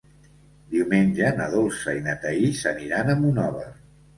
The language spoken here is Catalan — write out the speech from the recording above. Diumenge na Dolça i na Thaís aniran a Monòver.